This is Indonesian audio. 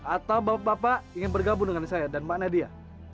atau bapak bapak ingin bergabung dengan saya dan mbak nadia